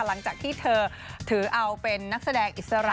หลังจากที่เธอถือเอาเป็นนักแสดงอิสระ